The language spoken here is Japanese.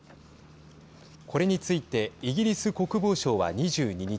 これについてイギリス国防省は２２日